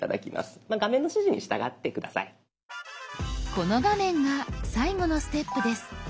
この画面が最後のステップです。